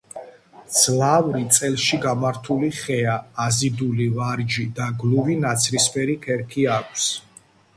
მძლავრი წელში გამართული ხეა, აზიდული ვარჯი და გლუვი ნაცრისფერი ქერქი აქვს.